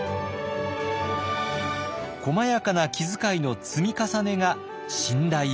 「細やかな気遣いの積み重ねが信頼を生む！」。